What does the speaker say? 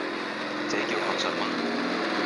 這叫孝順嗎？